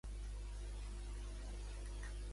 Què vol deixar enrere Rufián?